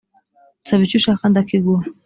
nsaba icyo ushaka ndakiguha